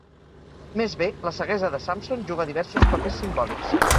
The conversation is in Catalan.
Més bé, la ceguesa de Samson juga diversos papers simbòlics.